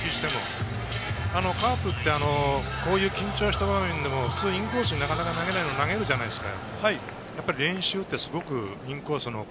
カットってこういう緊張した場面でもなかなかインコースに投げない、でも投げるじゃないですか。